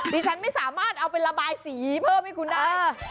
ดิฉันไม่สามารถเอาไประบายสีเพิ่มให้คุณได้